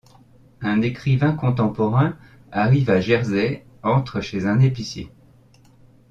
Un écrivain contemporain arrive à Jersey, entre chez un épicier.